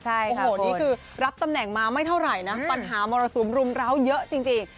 โอ้โหนี่คือรับตำแหน่งมาไม่เท่าไหร่นะปัญหามรสุมรุมร้าวเยอะจริง